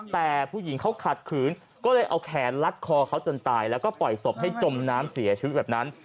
แต่ผู้หญิงเขาขัดขืนก็เลยเอาแขนลัดคอเขาจนตายแล้วก็ปล่อยศพให้จมน้ำเสียชีวิตแบบนั้น